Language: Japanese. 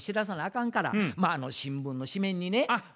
かんから新聞の紙面にね。